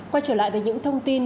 quay trở lại với những thông tin